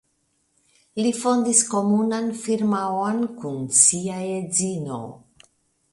Li fondis komunan firmaon kun sia edzino.